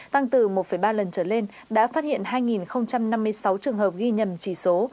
tăng từ một ba lần trở lên đã phát hiện hai năm mươi sáu trường hợp ghi nhầm chỉ số